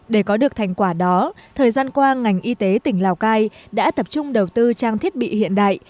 để có được thành quả đó thời gian qua ngành y tế tỉnh lào cai đã tập trung đầu tư trang thiết bị hiện đại